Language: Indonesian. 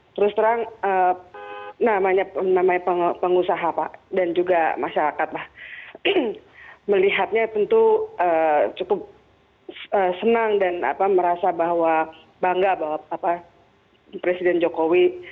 terus terang namanya pengusaha pak dan juga masyarakat melihatnya tentu cukup senang dan merasa bahwa bangga bahwa presiden jokowi